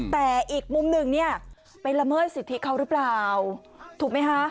แต่อีกมุมหนึ่งเนี่ยไปละเมิดสิทธิเขาหรือเปล่าถูกไหมคะ